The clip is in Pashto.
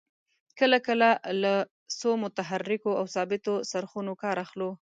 کله کله له څو متحرکو او ثابتو څرخونو کار اخلو.